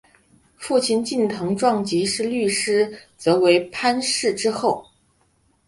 父亲近藤壮吉是律师则为藩士之后。